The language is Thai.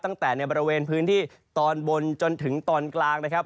ตั้งแต่ในบริเวณพื้นที่ตอนบนจนถึงตอนกลางนะครับ